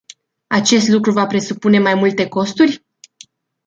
Acest lucru va presupune mai multe costuri?